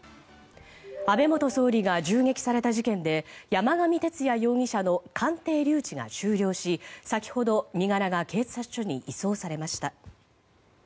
安倍元総理が銃撃された事件で山上徹也容疑者の鑑定留置が終了し先ほど、身柄が警察署に移送されました。